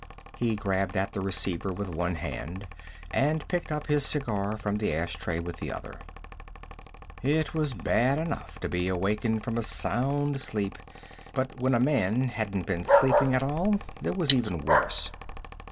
He grabbed at the receiver with one hand, and picked up his cigar from the ashtray with the other. It was bad enough to be awakened from a sound sleep but when a man hadn't been sleeping at all, it was even worse.